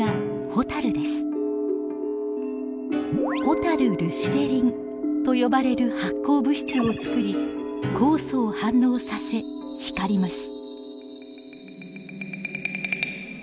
ホタルルシフェリンと呼ばれる発光物質をつくり酵素を反応させ光ります。